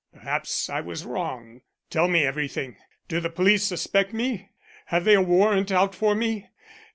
Perhaps I was wrong. Tell me everything. Do the police suspect me? Have they a warrant out for me?